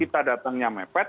kita datangnya mepet